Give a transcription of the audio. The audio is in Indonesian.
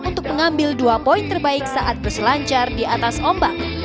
untuk mengambil dua poin terbaik saat berselancar di atas ombak